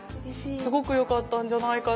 すごくよかったんじゃないかな。